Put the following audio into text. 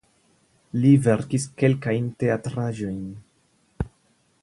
Li verkis kelkajn teatraĵojn.